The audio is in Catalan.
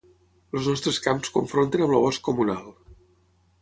Els nostres camps confronten amb el bosc comunal.